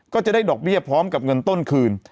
ก็จะได้ดอกเบี้ยพร้อมกับเงินต้นคืน